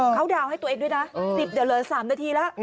เขาดาวให้ตัวเองด้วยนะ